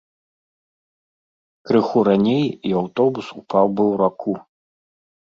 Крыху раней, і аўтобус упаў бы ў раку.